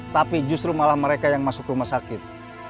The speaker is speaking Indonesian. tapi justru malah mereka yang masuk rumah sakit